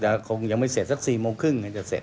คงยังไม่เสร็จสัก๔โมงครึ่งจะเสร็จ